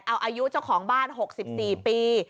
เอาอายุเจ้าของบ้าน๖๔ปี